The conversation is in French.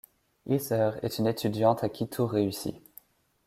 Heather est une étudiante à qui tout réussit.